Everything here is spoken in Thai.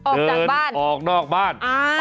เดินออกนอกบ้าน